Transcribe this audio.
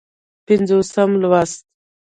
پينځوسم لوست